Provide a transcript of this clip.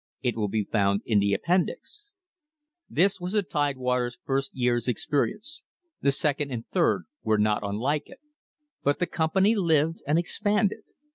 It will be found in the appendix.* This was the Tidewater's first year's experience. The second and third were not unlike it. But the company lived and ex panded.